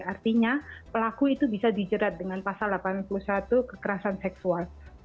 artinya pelaku itu bisa dijerat dengan pasal delapan puluh satu kekerasan seksual